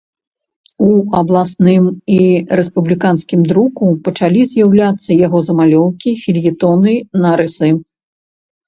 У абласным і рэспубліканскім друку пачалі з'яўляцца яго замалёўкі, фельетоны, нарысы.